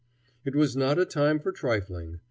It was not a time for trifling.